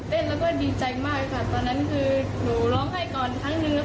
เล่นแล้วก็ดีใจมากค่ะตอนนั้นคือหนูร้องไห้ก่อนครั้งหนึ่งแล้ว